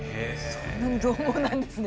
そんなにどう猛なんですね。